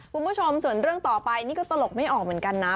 คุณผู้ชมส่วนเรื่องต่อไปนี่ก็ตลกไม่ออกเหมือนกันนะ